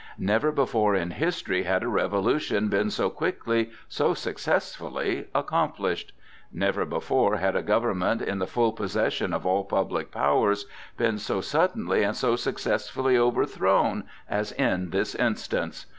Never before in history had a revolution been so quickly, so successfully accomplished; never before had a government in the full possession of all public powers been so suddenly and so successfully overthrown as in this instance.